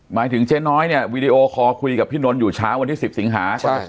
หมายถึงเจ๊น้อยเนี่ยวีดีโอคอลคุยกับพี่นนท์อยู่เช้าวันที่๑๐สิงหา